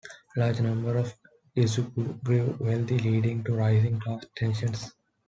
Large numbers of Isubu grew wealthy, leading to rising class tensions.